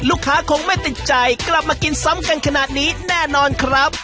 คงไม่ติดใจกลับมากินซ้ำกันขนาดนี้แน่นอนครับ